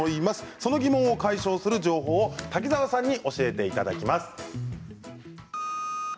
その疑問を解消する情報を滝沢さんに教えていただきます。